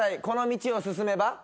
この道を進めば？